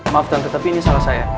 maaf tante tapi ini salah saya